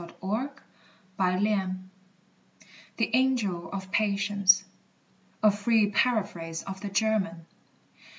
CONSOLATION. THE ANGEL OF PATIENCE. A FREE PARAPHRASE OF THE GERMAN.